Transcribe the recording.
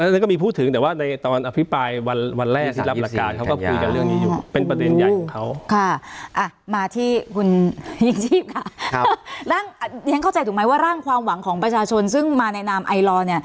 นั่นก็นี่พูดถึงแต่ว่าในตอนอภิพรายวันแรกที่ตรับระการเขาก็พูดตั้งแต่เรื่องยียุ